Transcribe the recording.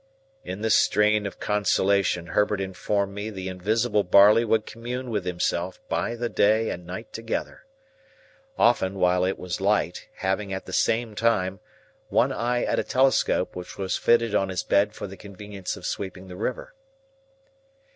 In this strain of consolation, Herbert informed me the invisible Barley would commune with himself by the day and night together; Often, while it was light, having, at the same time, one eye at a telescope which was fitted on his bed for the convenience of sweeping the river.